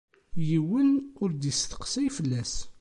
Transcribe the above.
Yiwen ur d-isteqsay fell-as.